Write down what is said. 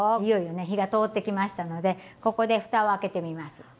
いよいよね火が通ってきましたのでここでふたを開けてみます。